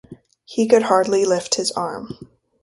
He could hardly lift his arm.